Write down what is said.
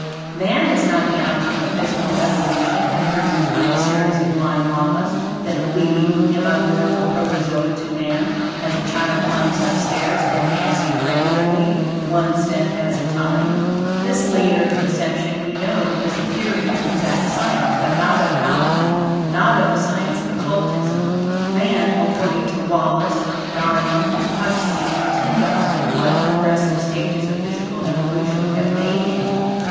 MAN IS NOT THE OUTCOME OF PHYSICAL EVOLUTION, and produced by a series of blind laws, that lead him upward from protozoa to man, as a child climbs up stairs, advancing regularly, ONE STEP AS A TIME. This latter conception, we know, is the theory of exact science, but not of Alchemy, not of the science of Occultism. Man, according to Wallace, Darwin, Huxley, and Tyndall, is what progressive stages of physical evolution have made him.